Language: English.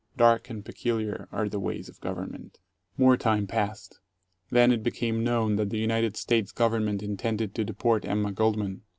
Dark and peculiar are the ways of Government. More time passed. Then it became known that the United States Government intended to deport Emma Goldman.